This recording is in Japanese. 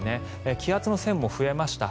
気圧の線も増えました。